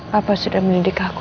papa sudah mendidik aku